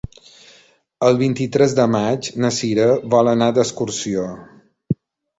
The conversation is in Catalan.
El vint-i-tres de maig na Sira vol anar d'excursió.